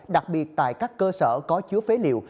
đặc biệt tại các cơ sở có chứa phế liệu